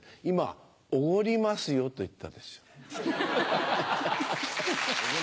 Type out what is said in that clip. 今「おごりますよ」と言ったでしょ？